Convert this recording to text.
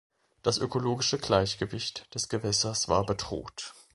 Das ökologische Gleichgewicht des Gewässers war bedroht.